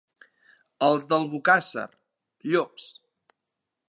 Els d'Albocàsser, llops.